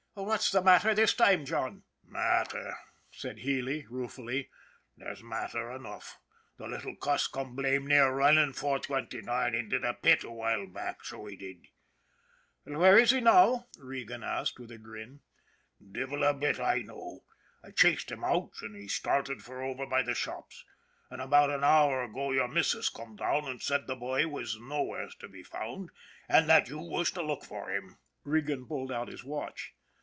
" What's the matter this time, John ?" "Matter," said Healy, ruefully; "there's matter enough. The little cuss come blame near running 429 into the pit a while back, so he did." " Where is he now ?" Regan asked, with a grin. " Devil a bit I know. I chased him out, an' he started for over by the shops. An' about an hour ago your missus come down an' said the bhoy was no wheres to be found, an' that you was to look for him." Regan pulled out his watch.